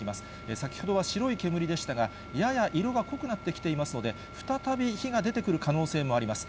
先ほどは白い煙でしたが、やや色が濃くなってきていますので、再び火が出てくる可能性もあります。